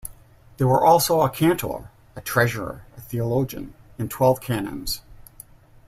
There were also a cantor, a treasurer, a theologian and twelve canons.